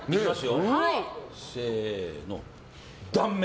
せーの、断面！